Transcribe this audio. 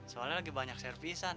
soalnya lagi banyak servisan